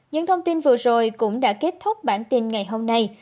những thông tin vừa rồi cũng đã kết thúc bản tin ngày hôm nay